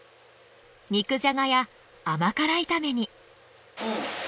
肉じゃがや甘辛炒めに。